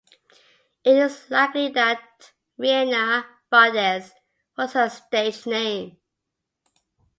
It is likely that "Reina Valdez" was her stage name.